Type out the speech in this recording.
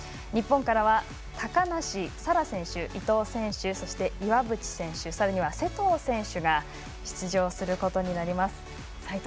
日本からは、高梨沙羅選手伊藤選手そして、岩渕選手さらには勢藤選手が出場することになります。